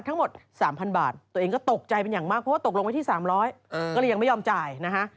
ทั้งหมด๓๐๐บาทตัวเองก็ตกใจเป็นอย่างมากเพราะว่าตกลงไว้ที่๓๐๐ก็เลยยังไม่ยอมจ่ายนะฮะ